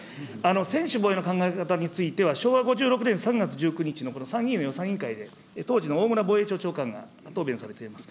専守防衛の考え方については、昭和５６年３月１９日の参議院の予算委員会で当時のおおむら防衛庁長官が答弁されています。